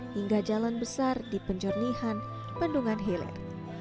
hingga jalan besar di penjernihan bendungan hilir